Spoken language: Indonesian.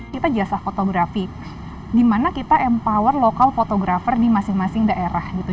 kita jasa fotografi dimana kita empower lokal fotografer di masing masing daerah gitu